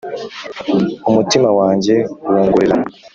umutima wanjye wongorerana,